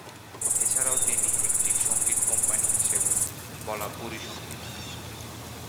এছাড়াও তিনি একটি সঙ্গীত কোম্পানী হিসাবে বলা পুরি সঙ্গীত।